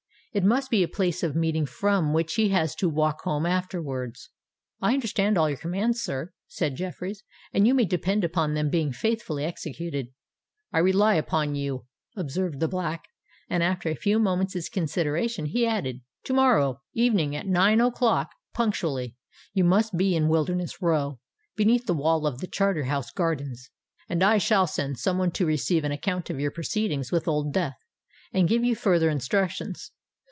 It must be a place of meeting from which he has to walk home afterwards." "I understand all your commands, sir," said Jeffreys; "and you may depend upon them being faithfully executed." "I rely upon you," observed the Black; and, after a few moments' consideration, he added, "To morrow evening at nine o'clock, punctually, you must be in Wilderness Row, beneath the wall of the Charter House gardens; and I shall send some one to receive an account of your proceedings with Old Death, and give you further instructions.